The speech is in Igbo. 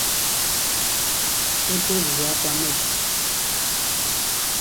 ebe o ruru ọkwa majọ